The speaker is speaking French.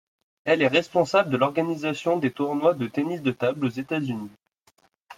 Elle est responsable de l'organisation des tournois de tennis de table aux États-Unis.